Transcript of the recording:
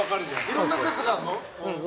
いろいろな説があるの？